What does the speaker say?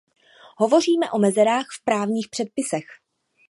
Hovoříme o mezerách v právních předpisech.